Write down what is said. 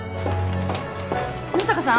野坂さん。